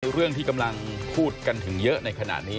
เรื่องที่กำลังพูดกันถึงเยอะในขณะนี้